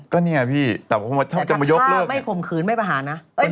ก็เนี่ยพี่แต่บางคนว่าจะมายกเลิกนั้น